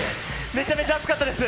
めちゃめちゃ熱かったです。